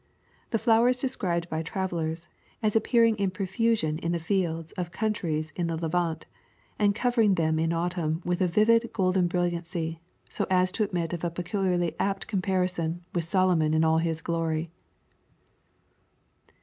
The flower is described by travellers, as ap pearing in profusion in the fields of countries in the Levant, and covering them in autumn with a vivid golden briUiancy, so as to admit of a peculiarly apt comparison with Solomon in all his glory."